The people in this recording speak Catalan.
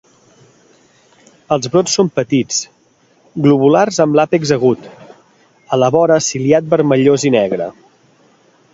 Els brots són petits, globulars amb l'àpex agut, a la vora ciliat vermellós i negre.